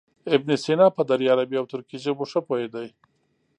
ابن سینا په دري، عربي او ترکي ژبو ښه پوهېده.